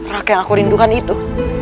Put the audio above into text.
rake yang aku rindukan itu